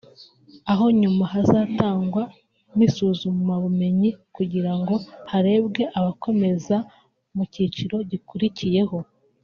aho nyuma hazatangwa n’isuzumabumenyi kugira ngo harebwe abakomeza mu cyiciro gikurikiyeho